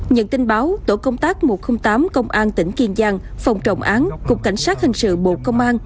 nhận tin báo tổ công tác một trăm linh tám công an tỉnh kiên giang phòng trọng án cục cảnh sát hình sự bộ công an